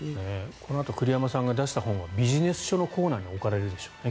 このあと栗山さんが出した本はビジネス書のコーナーに置かれるでしょうね。